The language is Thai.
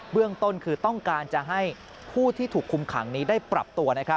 เรื่องต้นคือต้องการจะให้ผู้ที่ถูกคุมขังนี้ได้ปรับตัว